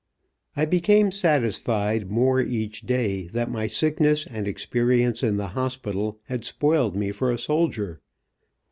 I became satisfied, more each day, that my sickness, and experience in the hospital, had spoiled me for a soldier.